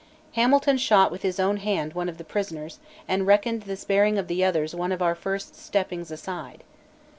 Hamilton shot with his own hand one of the prisoners, and reckoned the sparing of the others "one of our first steppings aside."